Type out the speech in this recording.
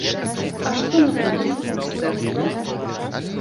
А што наконт майстэрства.